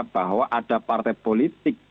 bahwa ada partai politik